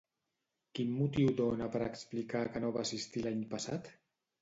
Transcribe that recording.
Quin motiu dona per explicar que no va assistir l'any passat?